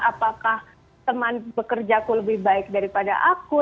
apakah teman bekerjaku lebih baik daripada aku